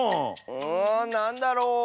うんなんだろう？